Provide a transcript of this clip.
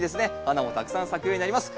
花もたくさん咲くようになります。